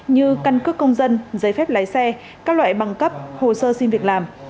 như căn cước công dân giấy phép lái xe các loại bằng cấp hồ sơ xin việc làm